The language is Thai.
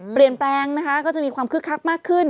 เปลี่ยนแปลงนะคะก็จะมีความคึกคักมากขึ้น